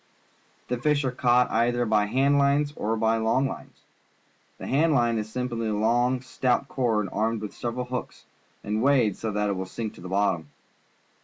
The fish are caught either by hand lines or by long lines. The hand line is simply a long, stout cord, armed with several hooks, and weighted so that it will sink to the bottom.